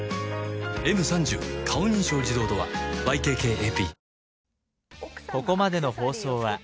「Ｍ３０ 顔認証自動ドア」ＹＫＫＡＰ